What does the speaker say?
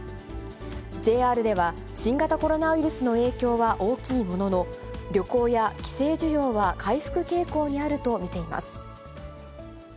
ＪＲでは、新型コロナウイルスの影響は大きいものの、旅行や帰省需要は回復傾向にあると見ています。